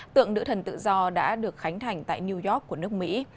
tượng nữ thần tự do đã được khánh thành tại new york của nước mỹ